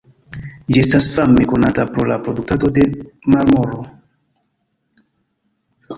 Ĝi estas fame konata pro la produktado de marmoro.